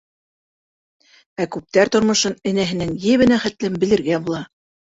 Ә күптәр тормошон энәһенән ебенә хәтлем белергә була.